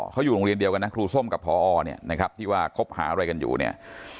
เขาอยู่โรงเรียนเดียวกันนะครูส้มกับพอเนี่ยนะครับที่ว่าคบหาอะไรกันอยู่เนี่ย